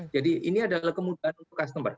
jadi ini adalah kemudahan untuk customer